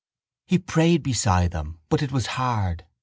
He prayed beside them but it was hard.